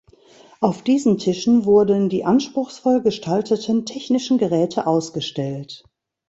Auf diesen Tischen wurden die anspruchsvoll gestalteten technischen Geräte ausgestellt.